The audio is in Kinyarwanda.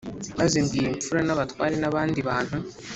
Maze mbwira imfura n abatware n abandi bantu